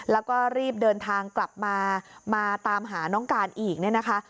แล้วก็รีบเดินทางกลับมามาตามหาน้องการอีกเนี่ยนะคะ